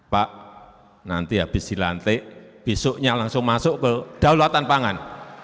pak nanti habis dilantik besoknya langsung masuk ke daulatan pangan